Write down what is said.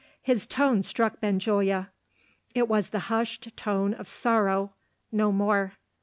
His tone struck Benjulia. It was the hushed tone of sorrow no more.